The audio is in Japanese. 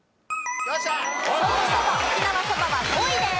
ソーキそば沖縄そばは５位です。